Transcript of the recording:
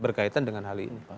berkaitan dengan hal ini